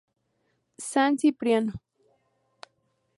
San Cipriano